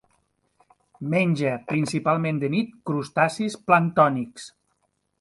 Menja principalment de nit crustacis planctònics.